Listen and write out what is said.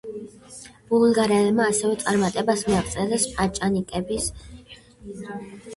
ბულგარებმა ასევე წარმატებას მიაღწიეს პაჭანიკების, ყივჩაღების და მადიარების წინააღმდეგ.